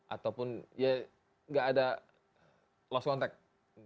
ataupun ya nggak ada lost contact